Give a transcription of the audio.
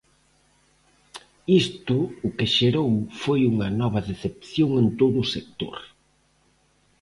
Isto o que xerou foi unha nova decepción en todo o sector.